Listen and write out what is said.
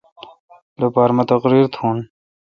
لوپارہ مہ تقریر تھون۔